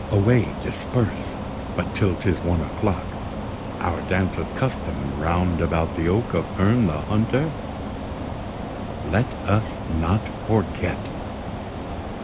Away; disperse: But till 'tis one o'clock, Our dance of custom, round about the oak Of Herne the Hunter, let us not forget!